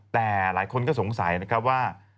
แต่หลายคนก็สงสัยว่า